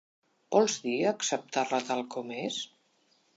Vols dir a acceptar-la tal com és?